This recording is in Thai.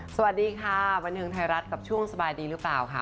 สวัสดีค่ะบันเทิงไทยรัฐกับช่วงสบายดีหรือเปล่าค่ะ